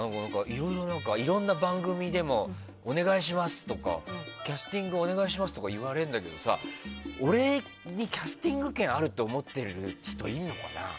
いろいろな番組でもお願いしますとかキャスティングお願いしますとか言われるんだけど俺にキャスティング権持ってるって思ってる人いるのかな？